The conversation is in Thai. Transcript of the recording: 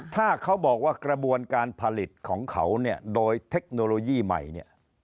ถ้าเขาบอกว่ากระบวนการผลิตของเขาเนี่ยโดยเทคโนโลยีใหม่เนี่ย